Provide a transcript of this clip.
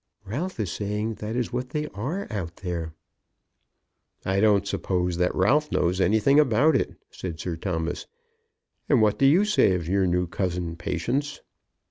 Ralph was saying that is what they are out there." "I don't suppose that Ralph knows anything about it," said Sir Thomas. "And what do you say of your new cousin, Patience?"